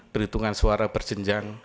perhitungan suara berjenjang